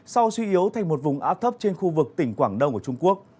sau suy yếu thành một vùng áp thấp trên khu vực tỉnh quảng đông của trung quốc